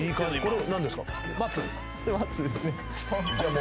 松ですね。